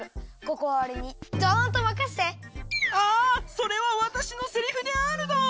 それはわたしのセリフであるドン！